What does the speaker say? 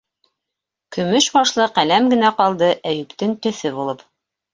Көмөш башлы ҡәләм генә ҡалды Әйүптең төҫө булып.